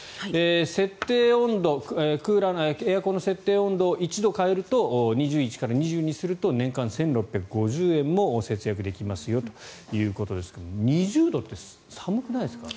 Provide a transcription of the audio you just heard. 設定温度、エアコンの設定温度を１度変えると２１から２０にすると年間１６５０円も節約できますよということですが２０度って寒くないですか？